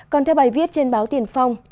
còn theo bài viết trên báo tiền phong